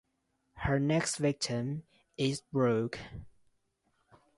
Her next victim is Brooke.